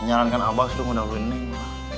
menyalankan abah sudah ngedahuluin neng